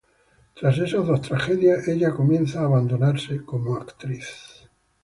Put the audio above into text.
Trás esas dos tragedias, ella comienza a abandonarse como actriz..